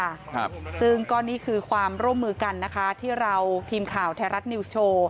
ครับซึ่งก็นี่คือความร่วมมือกันนะคะที่เราทีมข่าวไทยรัฐนิวส์โชว์